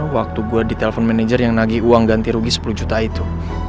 waktu gue ditelepon manager yang nagi uang ganti rugi sepuluh juta itu